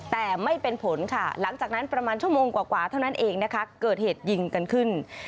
แต่ไม่เป็นผลค่ะหลังจากนั้นประมาณชั่วโมงกว่าเท่านั้นเองนะคะเกิดเหตุยิงกันขึ้น